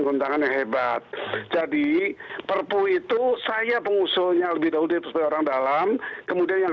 rentangan yang hebat jadi perpu itu saya pengusulnya lebih dahulu orang dalam kemudian yang